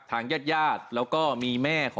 หลังจากเห็นลูกชายมาปรากฏตัวที่บ้านนะครับ